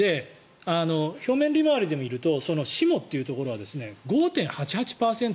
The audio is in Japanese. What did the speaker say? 表面利回りで見ると志茂というところは５．８８％なんです。